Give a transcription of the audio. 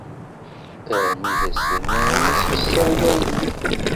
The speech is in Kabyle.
Armi d ass-nni i as-tessawel a yelli.